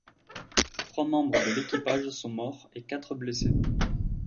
Trois membres de l'équipage sont morts et quatre blessés.